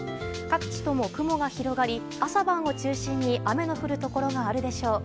各地とも雲が広がり朝晩を中心に雨の降るところがあるでしょう。